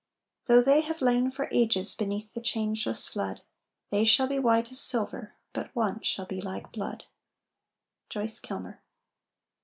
Though they have lain for ages Beneath the changeless flood, They shall be white as silver, But one shall be like blood. JOYCE KILMER.